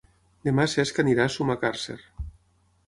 Demà en Cesc anirà a Sumacàrcer.